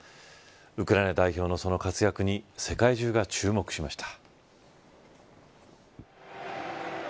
ウクライナ代表の活躍に世界中が注目しました。